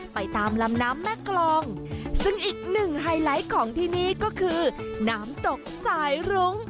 ไปตามลำน้ำแม่กรองซึ่งอีกหนึ่งไฮไลท์ของที่นี่ก็คือน้ำตกสายรุ้ง